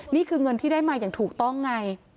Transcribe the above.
นี่คือเงินที่ได้มาอย่างถูกต้องไง